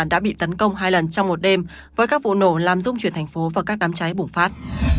đã bị tấn công hai lần trong một đêm với các vụ nổ làm rung chuyển thành phố và các đám cháy bùng phát